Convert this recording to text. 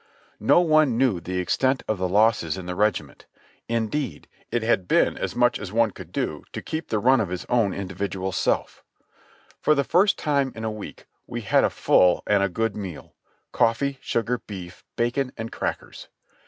No one knew the extent of the losses in the regiment ; indeed it had been as much as each one could do to keep the run of his own individual self. For the first time in a week we had a full and a good meal; cofifee, sugar, beef, bacon and crackers.